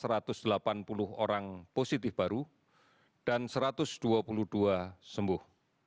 pertama di jawa timur ada tiga kasus positif baru dan satu ratus dua puluh dua sembuh